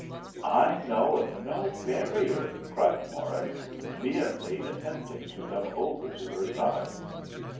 "I know of no barrier," cried Morris, vehemently, attempting to come over to her side.